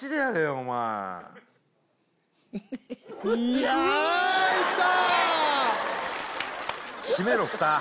お前いやいった！